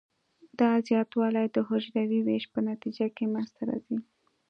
دا زیاتوالی د حجروي ویش په نتیجه کې منځ ته راځي.